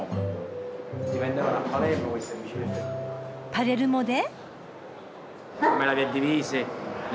パレルモで？